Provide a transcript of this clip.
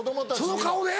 その顔で？